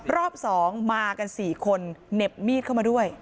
รอบ๒มากัน๔คนเหน็บมีดเข้ามาด้วย